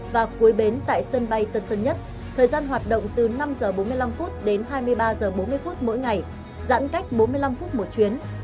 và cuối bến tại sân bay tân sơn nhất thời gian hoạt động từ năm h bốn mươi năm đến hai mươi ba h bốn mươi phút mỗi ngày giãn cách bốn mươi năm phút một chuyến